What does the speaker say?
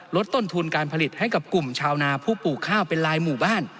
ลดต้นทุนการผลิตให้กับกลุ่มชาวนาผู้ปลูกข้าวเป็นลายหมู่บ้าน